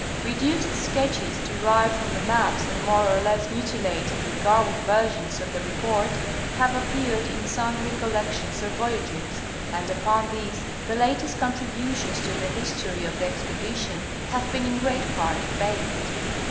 Reduced sketches derived from the maps and more or less muti lated and garbled versions of the report have appeared in sundry collections of voyages, and upon these the latest contributions to the history of the expedition have been in great part based.